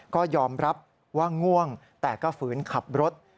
ก็ยอมรับว่าง่วงแต่ก็ฝืนขับรถ